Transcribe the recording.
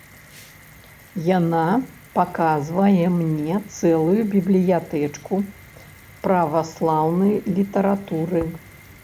Яна паказвае мне цэлую бібліятэчку праваслаўнай літаратуры.